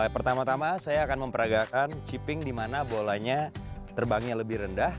pertama tama saya akan memperagakan chipping di mana bolanya terbangnya lebih rendah